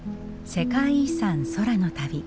世界遺産空の旅。